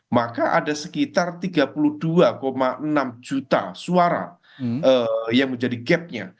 maka ada sekitar tiga puluh dua enam juta suara yang menjadi gapnya